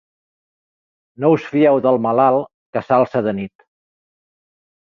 No us fieu del malalt que s'alça de nit.